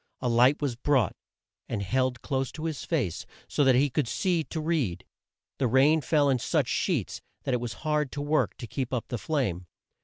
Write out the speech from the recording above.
A light was brought, and held close to his face so that he could see to read. The rain fell in such sheets that it was hard work to keep up the flame.